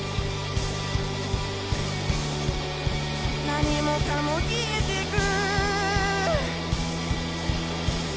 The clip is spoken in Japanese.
「何もかも消えていく」